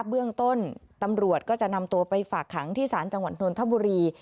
เบื้องต้นตำรวจก็จะนำตัวไปฝากขังที่ศาลจังหวัดนทบุรี